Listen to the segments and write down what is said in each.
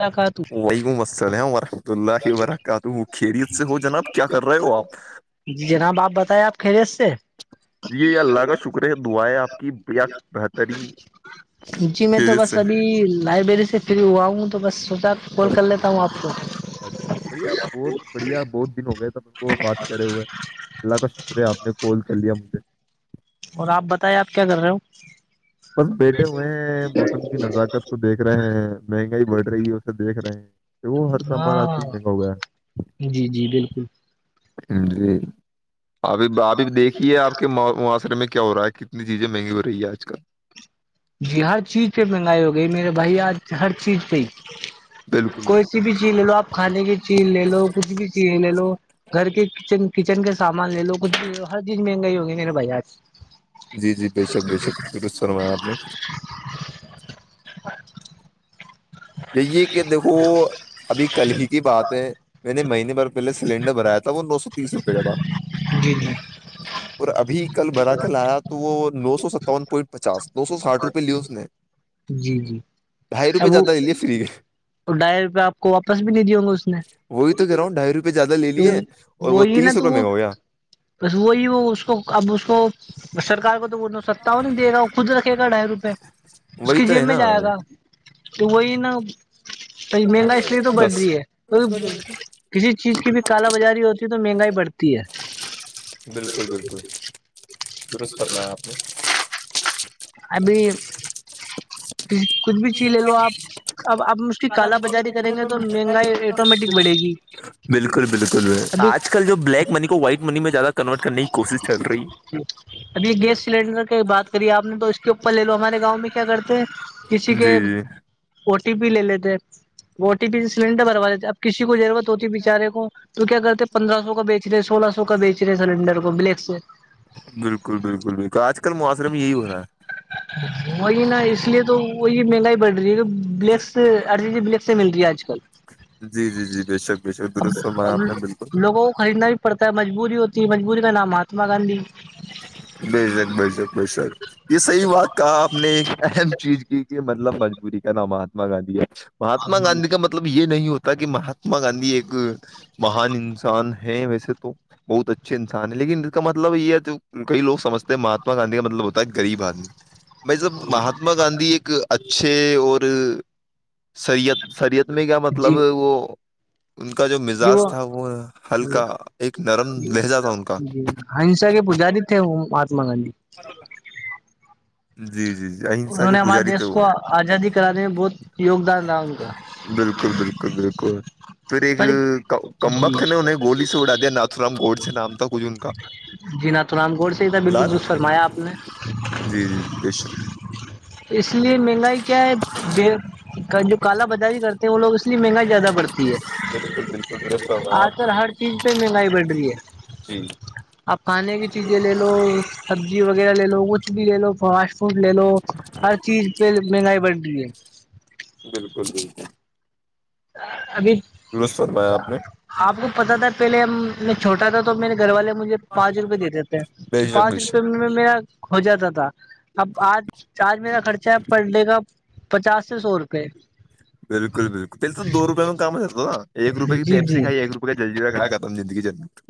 ملاقاتوں وعلیکم السلام ورحمت اللہ وبرکاتہ وہ خیریت سے ہو جناب کیا کر رہے ہو آپ جی جناب آپ بتائیں آپ خیریت سے جی اللہ کا شکر ہے دعائیں آپ کی بہترین اچی میں تو خیریت بس سے ابھی لائبریری سے فری ہوا ہوں تو بس ستاا کال اچھا کر لیتا ہوں آپ کو اچھا اچھا، بڑھیا بہت بڑھیا بہت دن ہو گئے تب ان کو بات کرے ہوئے اللہ کا شکریہ آپ نے کال کر لیا مجھے اور آپ بتائییں آپ کیا کر رہے ہو بس بیٹھے ہوئے ہیں موسم کی نزاکت کو دیکھ رہے ہیں مہنگائی بڑھ رہی ہے اسے دیکھ رہے ہیں وہ ہر ہو کا ہمارا آج کل مہنگا ہوا ہے ج جی بالکل جی ابھی ابھی دیکھیے آپ کے معاشرے میں کیا ہو رہا ہے کتنی چیزیں مہنگی ہو رہی ہے آج کل جی ہر چیز پہ مہنگائی ہو گئی میرے بھائی آج ہر چیز پہ ہی بالکل کوئی بالکل سی بھی چیز لے لو آپ کھانے کی چیز لے لو کچھ بھی چیز لے لو گھر کے کچن کچن کے سامان لے لو ک ہر چیز مہنگائی ہوگی نہیںیرا بھائی آ جی جی بے شک بے شک درست فرمایا آپ نے جی کہ دیکھو ابھی کل ہی کی بات ہے میں نے مہینے بھر پہلے سلینڈر بھریا تھا وہ نو سو تیس روپئے کا تھا جی جی اور ابھی کل برا کل آیا تو وہ نو سو ستاون پوائنٹ پچاس دو سو ساٹھ روپئے لے اس نے جی جی سب فریح ہے تو ڈھائی روپئے آپ کو واپس بھی نہیں دیا ہ گا اس نے وہی تو کہہا ہوں ڈھائی روپئے زیاد لے تو لیے اور وہ وہی نا تیس تو روپئے وہ منگا ہو گیا بس وہی وہ اس کو اب اس کو سرک کو تو وہ ن ستا ہو نہیں دے گا خود رکھے گا ڈھائی روپئے اس وہی کی تو جیب ہے میں نا جایا گا تو وہی نا میلا اس لیے تو بڑھ دس رہی ہے کو کسی چیز کی بھی کال بازاری ہوتی ہے تو مہنگائی بڑھتی ہے بالکل بالکل درست فرمایا آپ نے ابھی کچھ بھی چیز لے لو آپ اب آپ اس کی کال بازاری کریں گے تو مہنگائی آٹومیٹک بڑھے گی بالکل بالکل ابھی آج کل جو بلیک منی کو وائٹ منی میں زیادہ کنورٹ کرنے کی کوشش چل رہی ہے ابھی یہ گیس سلینڈر کی بات کری آپ نے تو اس کے اپر لے لو ہمارے گاؤں میں کیا کرتے کسی کے جی جی او ٹی پی لے لیتے او ٹی پی سےی سلینڈر بھروا دیتے اب کسی کو ضرورت ہوتی ہے بےچارے کو تو کیا کرتے ہیں پندرہ سو کا بیچ رہے سولہ سو کا بیچ رہے سلینڈر کو بلیک سے بالکل بالکل بالکل آج کل معاشرے میں یہی ہو رہنا ہے وہی نا اس لیے تو وہی مہنگائی بڑھ رہی ہے بلیک سےر بلیک سے مل رہی ہے آج کل ہے جی جی جی بے شک بے شک درست ا فرمایا آپ نے بالکل لوگوں کو خریدنا بھی پڑتا ہے مجبوری ہوتی ہے مجبوری کا نام مہاتما گاندھی بے شک بےجک بے شک یہ صحیح بات کہ آپ نے ایک اہم چیز کی کہ م ب مجبوری کا نام مہاتا گاندھی ہے مہاتما گاندھی کا مطلب مطلب یہ نہیں ہوتا کہ مہاتما گاندھی ایک مہان انسان ہے ویسے تو بہت اچھے انسان ہیں لیکن اس کا مطلب یہ ہے کئی لوگ سمجتے ہیں مہاتما گاندھی کا مطلب ہوتا ہے گغریب آدمی میں جب مہاتما ماتما گاندھی ایک اچھے اور سریت سریعت میں کیا مطلب جی وہ ان کا جو مزاج تھا وہ ہلکا ایک نرم لہجہ تھا ان کا جی ہنسا کے پجاری تھے وہ مہاتما گاندھی پرب جی جی جی اہنسا انہوں کے نے ہمارے پجاری تھے دیش وہ کو آزادی کرانے میں بہت یوگدان رہا ان کا بالکل بالکل بالکل پھر ایک پر کمبک تھ نے انہیں گولی سے اڑا دیا ناتورام گوڈ سے نام تھا کچھ ان کا جی نات نام گور سے ہی تھا بالکل لال دست فرمایا آپ نے جی جی جی بے شک اس لیے مہنگائی کیا ہے جو کالا بجاری کرتا تو وہ لوگ اس لیے منگائی زیادہ بڑتی بالکل بالکل درست ہے فرمایا آپ آج کل ہر چیز پہ مہنگائی بڑھ رہی ہے جی آپ کھانے کی چیزیں لے لو سبزی وغیرہ لے لو کچھ بھی لے لو فاسٹ فوڈ لے لو ہر چیز پہ مہنگائی بڑھ رہی ہے بالکل بالکل ابھی درست فرمایا آپ نے آپ کو پتا تھا پہلے ہم میں چھوٹا تھا تو میرے گھر والے مجھے پانچ روپئے دے بے دیتےے شک پانچ بے روپئے شک میں میرا ہو جاتا تھا اب آج آج میرا خرچہ ہے پر ڈے کا پچاس سے سو روپے بالکل بالکل تول تو دو روپے میں کام ہی کرتا ایک روپئے کی جی پیپسی جی کھائی ایک روپئے کا جل جییرا کھا ختم زندگی جنجت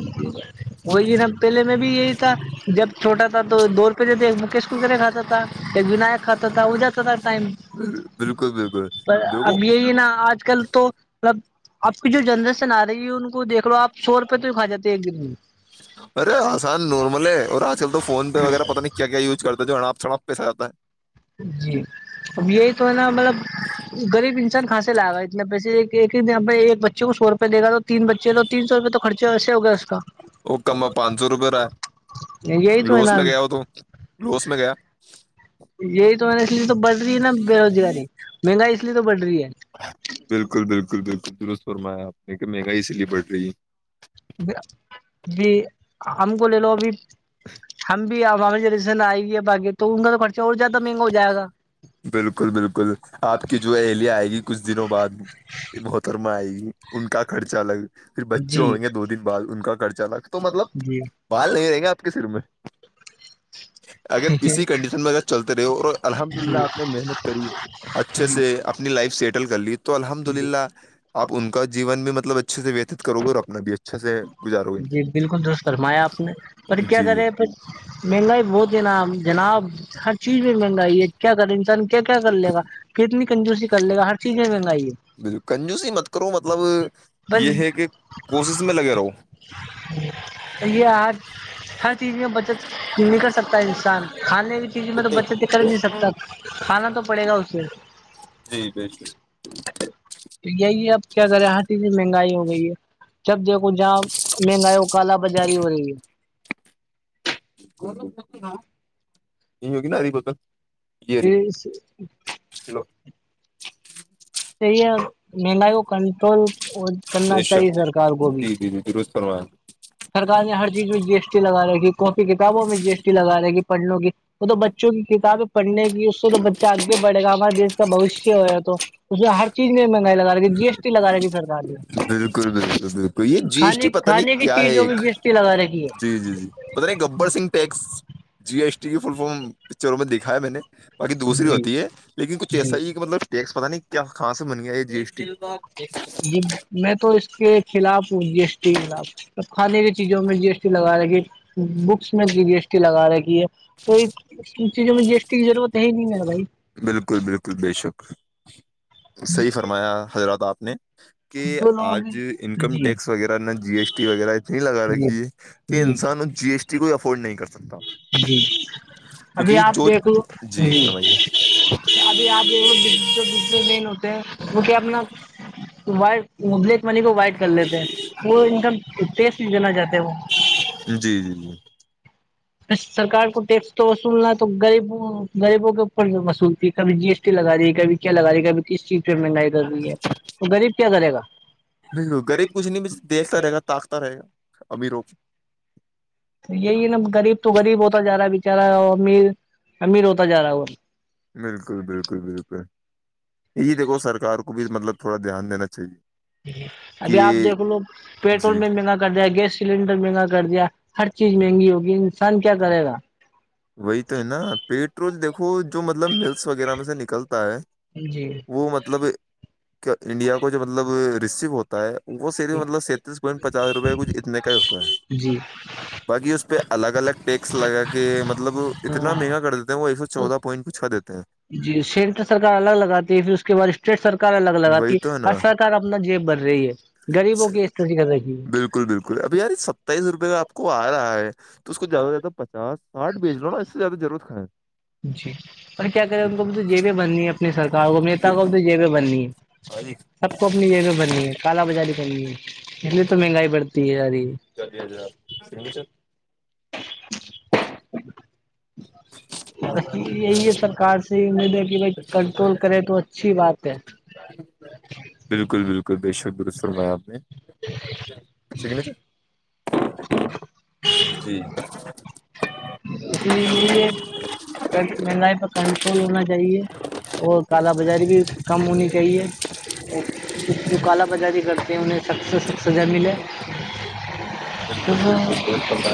وہی نا پہلے میں بھی یہی تھا جب چھوٹا تھا تو دو روپئے جو تھے مکیش کوکرے کھاتا تھا ایک ونایک خاتا تھا اجہ تو ہوتا ٹائم بالکل بالکل پر دیکھو اب یہی نا آج کل تو ملب آپ کی جو جنریشن آ رہی ہے ان کو دیکھ لو آپ سو روپے تو ہی کھا جے ایک دن میں ارے آسان نارمل ہے اور آج کل تو فون پہ وغیرہ پتا نہیں کیا یوز کرتا ہے جو ہڑپ سڑاپ پیسہ آتا ہے جی اب یہی تو ہے نا مطلب غریب انسان کھا سے لائے گا اتنے پیسے ایک ہی ایک بچے کو سو روپئے دے گا تو تین بچے تو تین سو روپئے تو خرچے ویسے ہو گیا اس کا وہ کم پانچ سو روپے رہا یہ یہیں تو ہے نا روس میں گ یہی توا اس لیے تو بڑھ رہی ہے نا بے روزگاری مہنگائی اس لیے تو بڑھ رہی ہے بالکل بالکل بالکل درست فرمایا اپنے کہ مہنگائی اسی لئے بڑ رہی ہے ج ہم کو لے لو ابھی ہم بھی آ بھی جس دن آئے گ ہے بای تو ان کا تو خرچہ اور زیادہ مہنگا ہو جائے گا ہے بالکل بالکل آپ کی جو اہلیہ آئے گی کچھ دنوں بعد یہ محترما آئے گی ان کا خرچہ الگ پھر بچے جی ہوں گے دو دن بعد ان کا خرچہ الگ تو مطلب جی بال نہیں رہیں گے کسی روم میں اگر اسی کنڈیشن میں اگر چلتے رہے اور الحمد للہ آپ نے محنت کری اچھے سے اپنی لائف سیٹل کر لی تو الحمد للہ آپ ان کا جیون بھی مطلب اچھے سے ویتت کرو گے اور اپنا بھی اچھے سے گزارو گے جی بالکل درست فرمایا آپ نے پر کیا جی جی کرے پھر مہنگائی بہت ہے نا جناب ہر چیز میں مہنگائی ہے کیا کرے انسان کیا کیا کر لے گا کتنی کنجورسی کر لے گا ہر چیز میں مہنگائی ہے بال کنجوسی مت کرو مطلب یہ ہے بس کہ کوشش میں لگے رہو یہ آج ہر چیز میں بچت کرنے کا ہے سکتا ہے انسان کھانے چیز میں تو کتنی بچے سے کر ہی دو نہیں سکتا کھانا تو پڑے گا اسے جی بالکل یہی اب کیا کرے ہر چیز مہنگائی ہو گئی ہے جب دیکھو جہاں مہنگائی کالا بازاری ہو رہی ہے [unintelligible] یہی ہوگی نا ہری بوتل ا یہ رہی [unintelligible] چلو چیے مہنگائی کو کنٹرول کرنا بے چاہیے شک سرکار کو بھی جی جی جی درست فرمایا سرکار نے ہر چیز میں جی ایس ٹی لگا رھی کاپی کتابوں میں جی ایس ٹی لگاے کیی پڑھنےوں کی وہ تو بچوں کی کتابیں پڑھنے کی اس سے تو بچہ آگے بڑے گا ہمارا دیس کا بھویشے ہو ہے تو اس میں ہر چیز میں مہنگائی لگاےی جی ایس ٹی لگا رہےی سرکار نے بالکل بالکل بالکل یہ جی ایس ٹی کھانے پتا کھانے نہیں کی کیا ہے چیزوں ایک میں جی ایس ٹی لگا رکھی ہے جی جی جی پتا نہیں گبر س ٹیکس جی ایس ٹی کی فل فارم پکچروں میں دیکھا ہے میں نے باقی دوسری ہوتی ہے لیکن کچھ ایسا ہی کہ مطلب ٹیکس پتا نہیں کیا خاص بن گیا یہ ج ایسٹی جی میں تو اس کے خلاف ہوں جی ایس ٹی کے خلاف کھانے کی چیزوں میں جی ایس ٹی لگا رہےھی بکس میں جی بیی ایس ٹی لگا رہیھی ہے تو چیزوں میں جی ایس ٹی کی ضرورت ہے ہی نہیں ہےا بھائی بالکل بالکل بے شک صحیح فرمایا حضرات آپ نے کہ جو لوگ آج انکم ٹیکس وغیرہ نہ جی ایس ٹی وغیرہ نہیں لگا رکھی ہے کہ انسان اس جی ایس ٹی کوئی افورڈ نہیں کر سکتا جی ابھی کیونکہ آپ جو دیکھ لو جی ‌ابھی آپ لین ہوتے ہیں وہ کیا اپناب بلیک منی کو وائٹ کر لیتے ہیں وہ ایک دم ٹیس لینا چاہتے ہیں وہ جی جی جی سرک کو ٹیکس تو وصولنا تو غبوں غریبوں کے اوپر وصولتی ہے کبھی جی ایس لگا رہی ہے کبھی کیا لگ رہی ہے کبھی کس چیز پہ مہنگائی کر رہی ہے تو غریب کیا کرے گا بالکل غریب کچھ نہیں دیکھتا رہے گا تاقتا رہے گا امیروں کو یہی ہے نا غریب تو غریب ہوتا جا رہا ہے بچارا امیر امیر ہوتا جا رہا ہے وہ بالکل بالکل بالکل یہی دیکو سرکار کو بھی مطلب تھوڑا دھیان دینا چاہیے ابھی آپ کہ دیکھ لو پیٹرول جی میں مہنگا کر دائے گیس سلینڈر مہنگا کر دیا ہر چیز مہنگی ہوگی انسان کیا کرے گا وہی تو ہے نا پیٹ روز دیکھو جو مطلب ملس وغیرہ میں سے نکلتا ہے جی وہ مطلب انڈیا کو جو مطلب رو ہوتا ہے وہ صف مطلب تیس پوائن پچاس روپئے کھ اتنے کا ہوتا ہے جی باقی اس پہ الگ الگ ٹیکس لگا کے مطلب اتنا ہاں مہنگا کر دیتے ہیں وہ ایک سو تو چودہ پ پوائنٹ کوھو دیتے ہیں جی سینٹر سرار الگ لگاتی ہے پھر اس کے بعد اسٹیٹ سرکار الگ ہیں لگاتی وہی ہے تو نا ہر سرکار اپنا جیب بن رہی ہے غریبوں کی استتی کر رکھی ہے ابھی یار ستتاائیس روپے کا آپ کو آ رہا ہے تو اس کو زیادہ سے زیادہ پچاس آٹھ بھیچوا اس سے زدہ ضرت خھیں جی اور کیا کرے ان کو بھی تو جیبیں بننی ہے اپنی سرکار کو نتا کو بھی تو جیبیں بننی ہاں ہے جی سب کو اپنی جگہ بنی ہے کالا بازاری بنی ہے پے تو مہنگائی بڑتی ہے ساری چدی ہزار سچر ب یہی ہے سرکار سے امید ہے کہ بھائی کنٹرول کرے تو اچھی بات ہے بالکل بالکل بے شکدرست فرمایاپ نے یکنے تھ جی اس لیے یہی ہے مہ پک ہونا چاہیے اور کالا بازاری بھی کم ہونی چاہیے جو کال بازاری کرتے ہیں انہیں س سزا ملے بالکل بالکل کیونکہ بالکل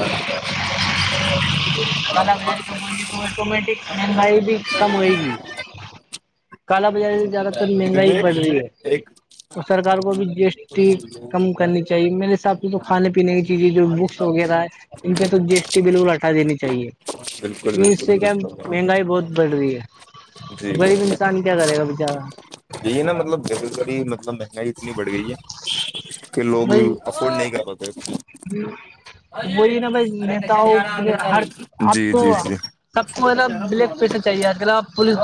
آٹومیٹک مہنگائی بھیتم ہوئی ہے کالا بازارے زیاد کتنے مہنگائی بڑھ رہی ہے ایک تو سرکار کو بھی جی ایس ٹی کم کرنی چاہیے میرے حساب سے یہ تو کھانے پینے کی چیزیں جو بکس وغیرہ ہے ان پہ تو جی ایس ٹی بالکل ہٹا دینی چاہیے بالکل اس بالکل سے کیا درست فرمایا مہنگائی بہت بڑھ رہی جی ہےب کیا کرے گا بچارا یہی نا مطلب گد گی مطلب مہنگائی اتنی بڑھ گئی ہے کہ لوگ بھائی افورڈ نہیں کر پاتے وہی نا بھائی ارے نیتاؤں کے ہر آ آپ جی کو جی جی سب کو مطلب بلیک پیسہ چاہیے آج کل آپ پولیس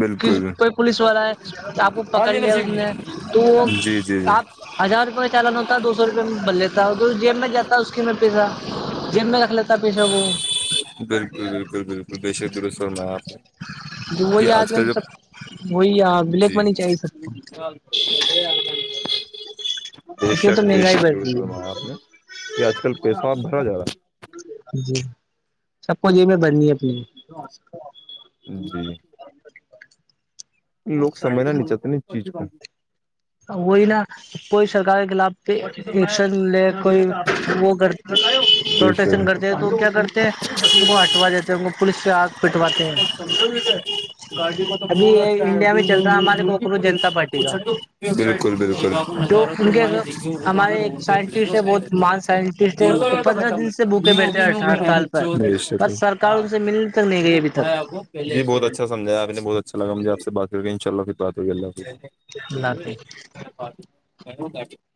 بالکل کوئی پولیس والا ہے تو آپ کو پکڑ لیا اس نے تو وہ جی جی جی آپ ہزار روپئے کا چالان ہوتا ہے دو سو روپے میں بھر لیتا ہے تو جیب میں جاتا ہے اس کے میں پیسہ دم میں رکھ لیتا پیشہ وہ بالکل بالکل بالکل بے شرت السور میںا آپ کہ آج کل جب وہی آ بلیک جی منی چاہیے سک [unintelligible] بے اس لیے شک تو بے مہنگائی شک بڑھ ر رہی کرما ہے آپ نے یہ آج کل پیسہ آپ بھرا جا رہا ہے جی سب کوجی میں بڑنی ہے اپنی جی لوگ سجھنا نہیں چاہتے اس چیز کو وہی نا کوئی سرکار کے خلاف پ ایکشن لے بے کوئی وہ کر شک پروٹشن کرتے ہیں تو کیا کرتے ان کو ہٹوا دیتے ہیں ان کو پولیس سے پٹواتے ہیں گاجی کو تو ابھی بہت اچھا انڈیا میں چل رہا ہے ہمارے کوکروچ جنتا پارٹی ہےوچھ کا [unintelligible] بالکل بالکل کر جو ان کے ہمارے ایک سائنٹسٹ ہے بہت مان سائنٹسٹ ہے پندرہ ختم دن سے بھوکے بیٹھتے ہیں ہڑتال پر گ [unintelligible] پر بیشک سرکار ان سے ملنے تک نہیں گئی ابھی تک جی بہت اچھا سمجھایا آپ نے بہت ا اچھا لگا آپ سے بات کر کےے انشاء اللہ پھر بات ہوگی اللہ حف اللہ حافظ برابر [unintelligible]